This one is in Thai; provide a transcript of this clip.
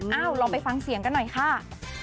เอ้าเราไปฟังเสียงกันหน่อยค่ะ